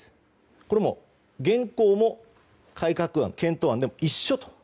これはもう現行も改革検討案でも一緒と。